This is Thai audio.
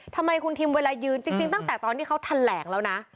ทำไมคุณทิมเวลายืนจริงตั้งแต่ตอนที่เขาแถลงแล้วนะ